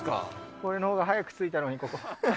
俺のほうが早く着いたのに、ここ。